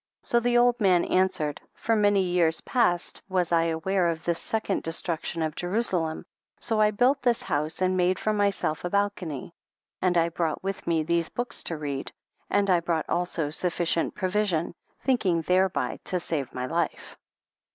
So the old man answered, for many years past was I aware of this second destruction of Jerusalem, so I built this house and made for myself a bal cony, J and I brought with me these books to read, and I brought also sufficient provision, thinking thereby to|| save my life.